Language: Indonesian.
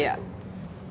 iya sejak zaman kolonial